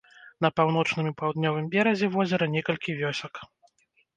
На паўночным і паўднёвым беразе возера некалькі вёсак.